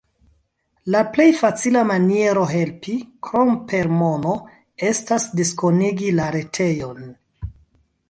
La plej facila maniero helpi, krom per mono, estas diskonigi la retejon.